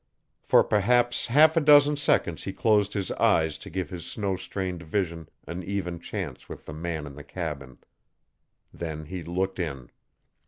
For perhaps half a dozen seconds he closed his eyes to give his snow strained vision an even chance with the man in the cabin. Then he looked in.